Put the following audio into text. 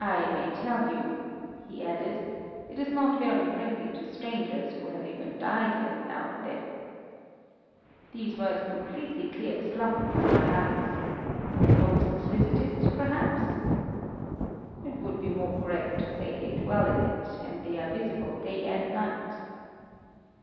I may tell you," he added, "it is not very friendly to strangers, who have even died in it now and then." These words completely cleared slumber from my eyes. "Ghosts visit it, perhaps?" "It would be more correct to say they dwell in it, and they are visible day and night."